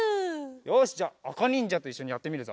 よしじゃああかにんじゃといっしょにやってみるぞ。